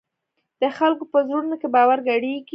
د خلکو په زړونو کې باور ګډېږي.